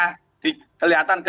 masih ada tuh saya